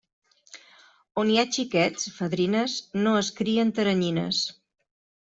On hi ha xiquets, fadrines, no es crien teranyines.